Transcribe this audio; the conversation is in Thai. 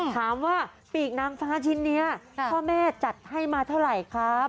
ถามว่าปีกนางฟ้าชิ้นนี้พ่อแม่จัดให้มาเท่าไหร่ครับ